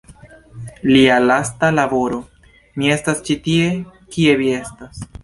Lia lasta laboro "Mi estas ĉi tie- Kie vi estas?